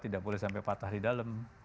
tidak boleh sampai patah di dalam